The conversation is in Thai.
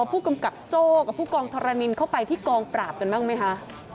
ผู้กำกับโจ้กับผู้กองธรณินเข้าไปที่กองปราบกันบ้างไหมคะ